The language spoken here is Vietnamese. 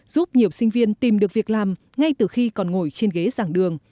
giúp nhiều sinh viên tìm được việc làm ngay từ khi còn ngồi trên ghế giảng đường